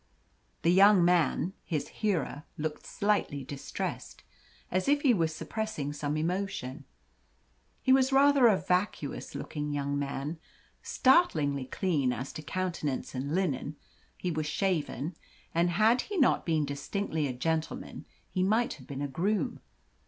The young man, his hearer, looked slightly distressed, as if he was suppressing some emotion. He was rather a vacuous looking young man startlingly clean as to countenance and linen. He was shaven, and had he not been distinctly a gentleman, he might have been a groom.